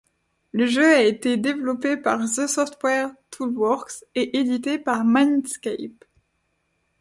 Le jeu a été développé par The Software Toolworks et édité par Mindscape.